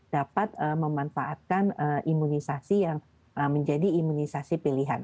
dapat memanfaatkan imunisasi yang menjadi imunisasi pilihan